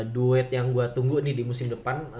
duet yang gue tunggu nih di musim depan